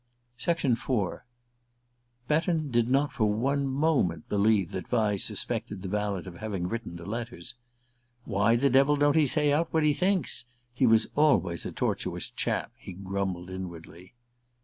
IV BETTON did not for a moment believe that Vyse suspected the valet of having written the letters. "Why the devil don't he say out what he thinks? He was always a tortuous chap," he grumbled inwardly.